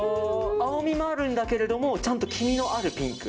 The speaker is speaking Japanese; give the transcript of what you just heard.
青みもあるんだけどもちゃんと黄みのあるピンク。